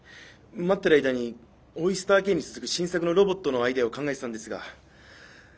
待ってる間にオイスターＫに続く新作のロボットのアイデアを考えてたんですが。